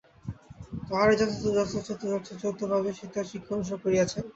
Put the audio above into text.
তাঁহারাই যথার্থভাবে গীতার শিক্ষা অনুসরণ করিয়াছেন।